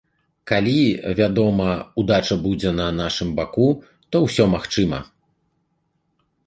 Калі, вядома, удача будзе на нашым баку, то ўсё магчыма.